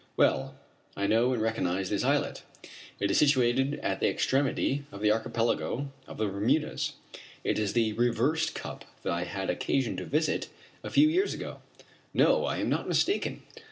Well, I know and recognize this islet! It is situated at the extremity of the archipelago of the Bermudas. It is the "reversed cup" that I had occasion to visit a few years ago No, I am not mistaken.